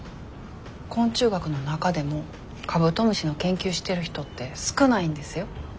昆虫学の中でもカブトムシの研究してる人って少ないんですよ。